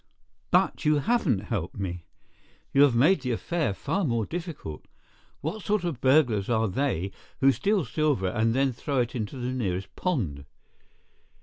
"But you haven't helped me. You have made the affair far more difficult. What sort of burglars are they who steal silver and then throw it into the nearest pond?"